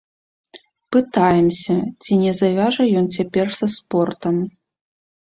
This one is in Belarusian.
Пытаемся, ці не завяжа ён цяпер са спортам.